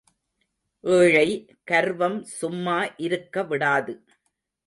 ஏழை கர்வம் சும்மா இருக்கவிடாது.